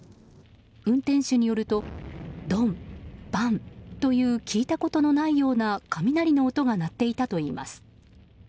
運転手によるとドン、バンという聞いたことのないような雷の音が鳴っていたといいます。